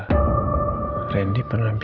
randy pernah bilang dia punya pacar namanya bella